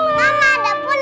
mama udah pulang